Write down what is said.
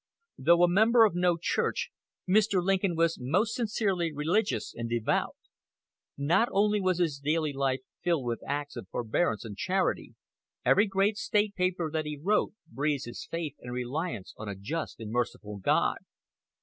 Though a member of no church, Mr. Lincoln was most sincerely religious and devout. Not only was his daily life filled with acts of forbearance and charity; every great state paper that he wrote breathes his faith and reliance on a just and merciful God.